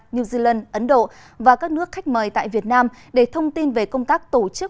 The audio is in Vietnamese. new zealand ấn độ và các nước khách mời tại việt nam để thông tin về công tác tổ chức